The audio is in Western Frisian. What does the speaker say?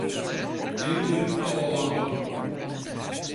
Dimje alle lampen.